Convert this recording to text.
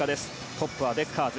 トップはデッカーズ。